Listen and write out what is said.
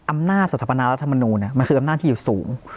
อำนาจสถาปนารัฐมนูลมันคืออำนาจที่อยู่สูง